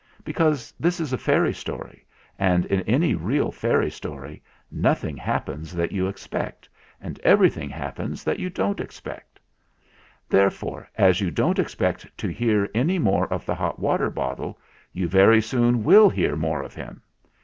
Because this is a fairy story, and in any real fairy story nothing happens that you expect and everything happens that you don't expect. Therefore, as you don't expect to hear any more of the hot water bottle, you very soon will hear more of him.